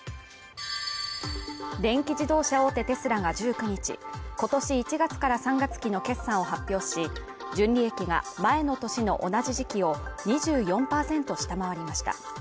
電気自動車大手テスラが１９日、今年１月から３月期の決算を発表し、純利益が前の年の同じ時期を２４％を下回りました。